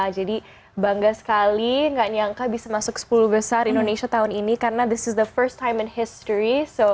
jadi bangga sekali gak nyangka bisa masuk ke sepuluh besar indonesia tahun ini karena this is the first time in history